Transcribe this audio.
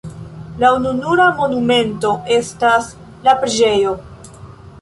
La ununura monumento estas la preĝejo.